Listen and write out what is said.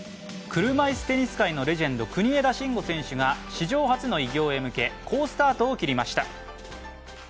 車いすテニス界のレジェンド国枝慎吾選手が史上初の偉業へ向け好スタートを切りました。